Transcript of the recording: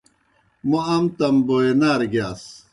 موْ ام تم بوئے نارہ گِیاس۔